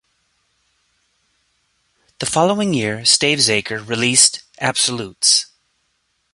The following year, Stavesacre released "Absolutes".